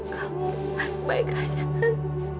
kamu baik aja kan